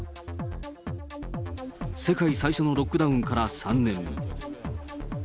世界最初のロックダウンから３年。